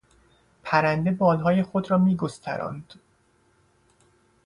پرنده بال های خود را میگستراند.